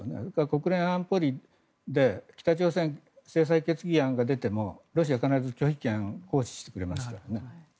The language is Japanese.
国連安保理で北朝鮮制裁決議案が出てもロシアは必ず拒否権を行使してきますよね。